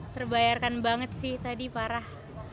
terbayarkan banget sih tadi parah